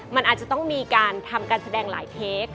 มันอาจจะต้องมีการทำการแสดงหลายเทป